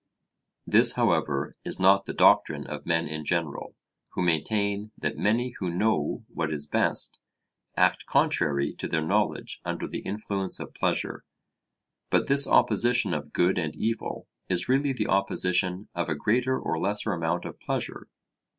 This, however, is not the doctrine of men in general, who maintain that many who know what is best, act contrary to their knowledge under the influence of pleasure. But this opposition of good and evil is really the opposition of a greater or lesser amount of pleasure.